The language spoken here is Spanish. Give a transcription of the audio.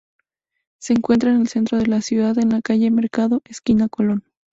Se encuentra en el centro de la ciudad, en la calle Mercado, esquina Colón.